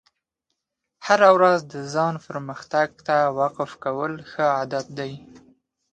هره ورځ د ځان پرمختګ ته وقف کول ښه عادت دی.